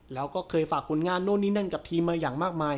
แล้วก็เคยฝากผลงานโน้นนี่นั่นกับทีมมาอย่างมากมาย